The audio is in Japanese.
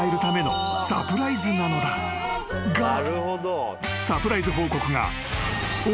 ［がサプライズ報告が］